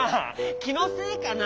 きのせいかなあ。